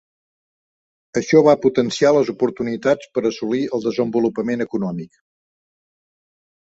Això la potenciar les oportunitats per assolir el desenvolupament econòmic.